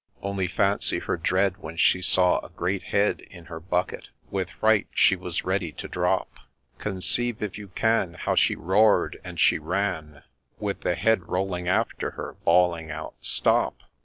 ' Only fancy her dread when she saw a great head In her bucket ;— with fright she was ready to drop :— Conceive, if you can, how she roared and she ran, With the head rolling after her, bawling out ' Stop